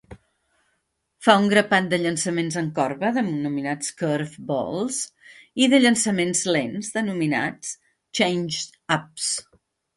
Fa un grapat de llançaments en corba, denominats "curveballs", i de llançaments lents, denominats "changeups".